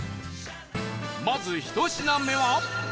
まず１品目は